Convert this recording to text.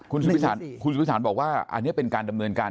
คุณสุธิสารบอกว่าอันนี้เป็นการดำเนินการ